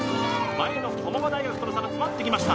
前の駒場大学との差が詰まってきました